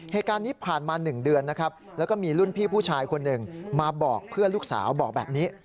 เหตุการณ์นี้ผ่านมา๑เดือนนะครับแล้วก็มีรุ่นพี่ผู้ชายคนหนึ่งมาบอกเพื่อนลูกสาวบอกแบบนี้